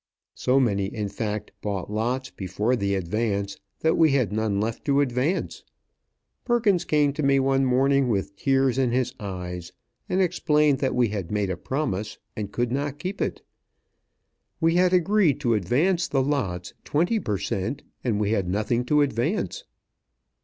So many, in fact, bought lots before the advance that we had none left to advance. Perkins came to me one morning, with tears in his eyes, and explained that we had made a promise, and could not keep it. We had agreed to advance the lots twenty per cent., and we had nothing to advance.